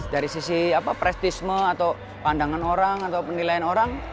dari sisi prestisme atau pandangan orang atau penilaian orang